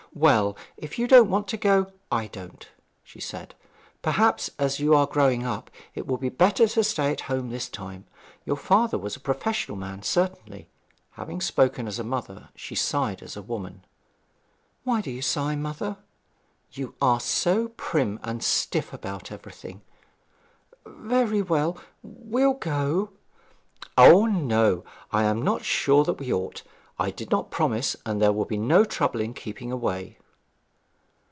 'Well, if you don't want to go, I don't,' she said. 'Perhaps, as you are growing up, it would be better to stay at home this time. Your father was a professional man, certainly.' Having spoken as a mother, she sighed as a woman. 'Why do you sigh, mother?' 'You are so prim and stiff about everything.' 'Very well we'll go.' 'O no I am not sure that we ought. I did not promise, and there will be no trouble in keeping away.'